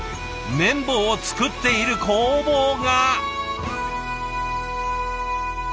麺棒を作っている工房が！